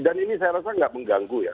dan ini saya rasa tidak mengganggu ya